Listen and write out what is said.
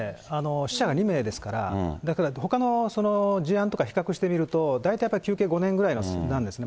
死者が２名ですから、だからほかの事案とか比較してみると、大体やっぱり求刑５年くらいなんですね。